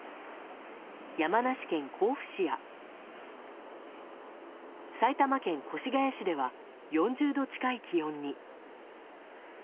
山梨県甲府市や埼玉県越谷市では４０度近い気温に。